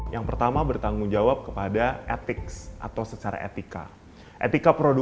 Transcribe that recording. yang pertama bertanggung jawab kepada etik atau secara etika